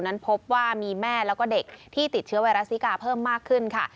นั้นพบว่ามีแม่แล้วก็เด็กที่ติดเชื้อไวรัสซิกาเพิ่มมากขึ้นค่ะ